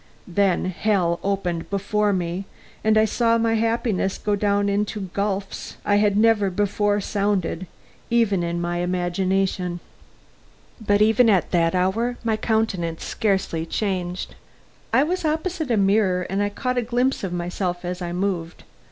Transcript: Then hell opened before me, and I saw my happiness go down into gulfs I had never before sounded, even in imagination. But even at that evil hour my countenance scarcely changed I was opposite a mirror, and I caught a glimpse of myself as I moved.